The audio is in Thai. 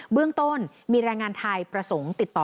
เรื่องต้นมีแรงงานไทยประสงค์ติดต่อ